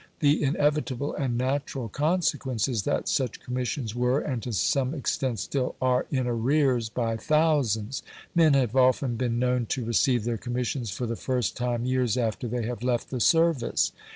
The inevitable and natural consequence is that such commissions were, and to some extent still are, in arrears by thousands. Men have often been known to receive their commissions for the first time years after they have left the service.